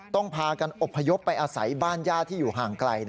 ต้องพากันอพยพไปอาศัยบ้านย่าที่อยู่ห่างไกลนะฮะ